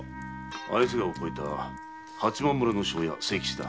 綾瀬川を越えた八幡村の庄屋・清吉だ。